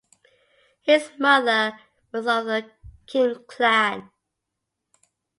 His mother was of the Kim clan.